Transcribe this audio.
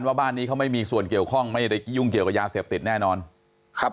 ว่าบ้านนี้เขาไม่มีส่วนเกี่ยวข้องไม่ได้ยุ่งเกี่ยวกับยาเสพติดแน่นอนครับ